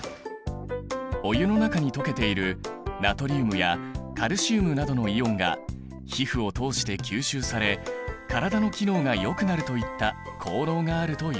お湯の中に溶けているナトリウムやカルシウムなどのイオンが皮膚を通して吸収され体の機能がよくなるといった効能があるといわれている。